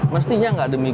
mestinya enggak demikian